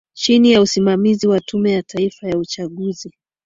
chini ya usimamizi wa tume ya taifa ya uchaguzi